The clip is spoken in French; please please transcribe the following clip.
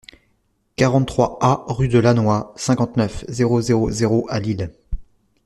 quarante-trois A rUE DE LANNOY, cinquante-neuf, zéro zéro zéro à Lille